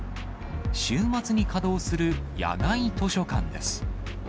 週末に稼働する野外図書館です。